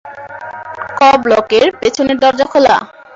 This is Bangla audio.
ক ব্লকের পেছনের দরজা খোলা।